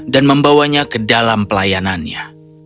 dan membawanya ke dalam pelayanannya